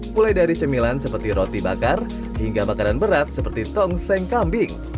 mulai dari cemilan seperti roti bakar hingga makanan berat seperti tongseng kambing